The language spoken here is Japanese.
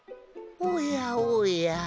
おやおや。